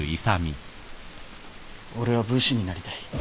俺は武士になりたい。